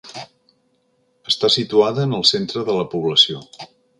Està situada en el centre de la població.